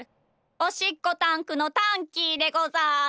おしっこタンクのタンキーでござる。